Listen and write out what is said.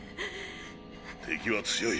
敵は強い。